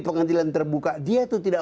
pengadilan terbuka dia itu tidak